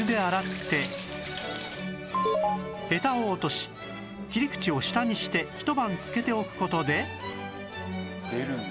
ヘタを落とし切り口を下にして一晩浸けておく事で